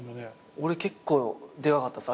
俺結構でかかったっす。